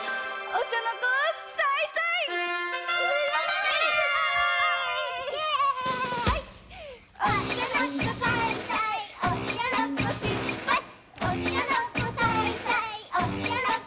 お茶の子さいさい。